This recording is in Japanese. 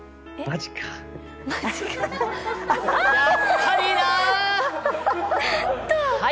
やっぱりな！